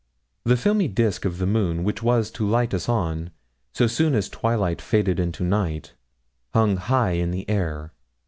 The filmy disk of the moon which was to light us on, so soon as twilight faded into night, hung high in air.